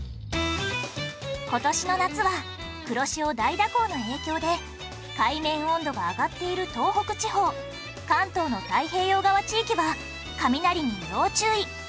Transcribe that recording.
今年の夏は黒潮大蛇行の影響で海面温度が上がっている東北地方関東の太平洋側地域は雷に要注意。